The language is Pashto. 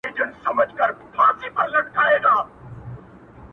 پلار یې ویل څارنوال ته وخت تېرېږي,